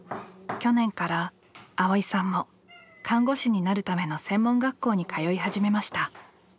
去年から蒼依さんも看護師になるための専門学校に通い始めました。